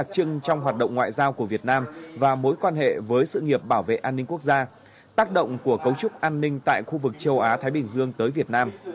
cấu trúc an ninh tại khu vực châu á thái bình dương tới việt nam